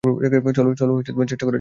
চলো চেষ্টা করা যাক, বয়েজ।